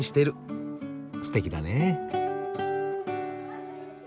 すてきだね。